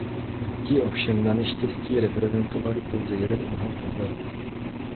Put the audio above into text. Ti ovšem naneštěstí reprezentovali pouze jeden úhel pohledu.